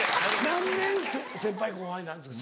何年先輩後輩なんですか？